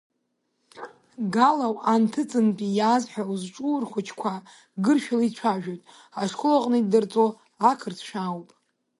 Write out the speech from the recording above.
Галау анҭыҵынтәи иааз ҳәа узҿу рхәыҷқәа гыршәала ицәажәоит, ашкол аҟны иддырҵо ақырҭшәа ауп.